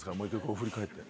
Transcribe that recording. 振り返って。